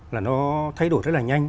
là nó thay đổi rất là nhanh